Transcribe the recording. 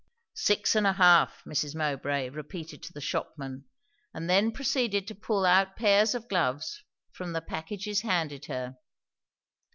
"Six and a half," Mrs. Mowbray repeated to the shopman; and then proceeded to pull out pairs of gloves from the packages handed her.